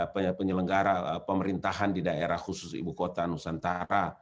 penyelenggara pemerintahan di daerah khusus ibu kota nusantara